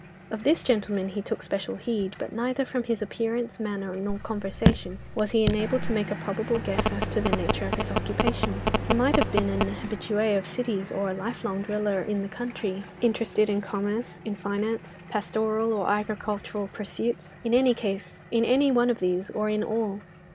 Of this gentleman he took special heed, but neither from his appearance, manner nor conversation was he enabled to make a probable guess as to the nature of his occupation. He might have been an habitué of cities, or a life long dweller in the country, interested in commerce, in finance, pastoral or agricultural pursuits; in any one of these, or in all.